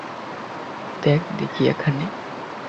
দেখ দেখি এখানে!